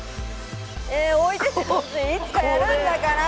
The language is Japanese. いつかやるんだから！